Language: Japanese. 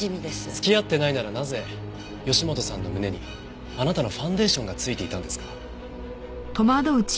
付き合ってないならなぜ義本さんの胸にあなたのファンデーションがついていたんですか？